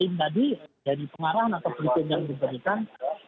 tim tadi dari pengarah atau perhubungan yang diberikan